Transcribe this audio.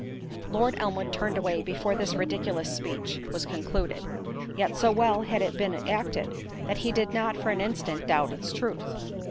Lord Elmwood turned away before this ridiculous speech was concluded; yet so well had it been acted, that he did not for an instant doubt its truth.